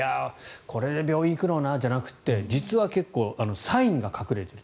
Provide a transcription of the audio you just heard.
これで病院に行くのはなじゃなくて実は結構サインが隠れている。